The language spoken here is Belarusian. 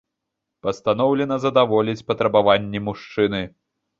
Пастаноўлена задаволіць патрабаванні мужчыны.